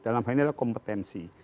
dalam hal ini adalah kompetensi